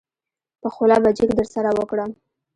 په خوله به جګ درسره وکړم.